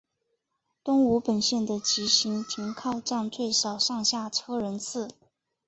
东武本线的急行停靠站最少上下车人次。